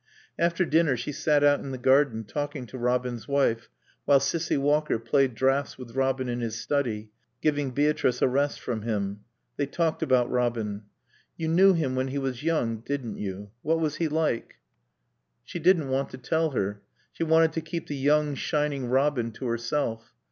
After dinner she sat out in the garden talking to Robin's wife, while Cissy Walker played draughts with Robin in his study, giving Beatrice a rest from him. They talked about Robin. "You knew him when he was young, didn't you? What was he like?" She didn't want to tell her. She wanted to keep the young, shining Robin to herself.